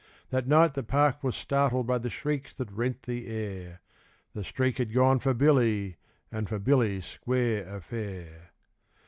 That night the park was startled by the shrieks that rent the air The 'Streak' had gone for Billy and for Billy's square affair.